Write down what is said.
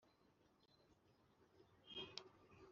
bikaba ari igikorwa ngarukamwaka.